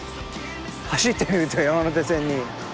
走ってくると山手線に。